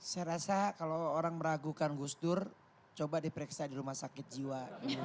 saya rasa kalau orang meragukan gus dur coba diperiksa di rumah sakit jiwa